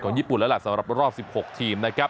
ของญี่ปุ่นแล้วล่ะสำหรับรอบ๑๖ทีม